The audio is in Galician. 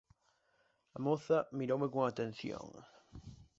A moza miroume con atención.